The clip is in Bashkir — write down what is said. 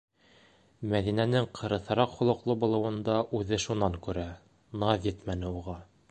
Мәҙинәнең ҡырыҫыраҡ холоҡло булыуын да үҙе шунан күрә: наҙ етмәне уға.